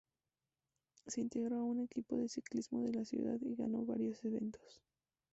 Se integró a un equipo de ciclismo de la ciudad y ganó varios eventos.